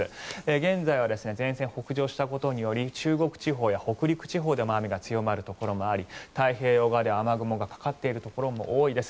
現在は前線北上したことにより中国地方や北陸地方でも雨が強まるところがあり太平洋側で雨雲がかかっているところも多いです。